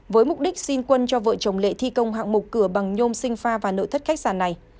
với mục đích xin quân cho vợ chồng lệ thi công hạng mục cửa bằng nhôm sinh pha và nội thất khách sạn này